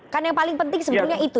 kan yang paling penting sebetulnya itu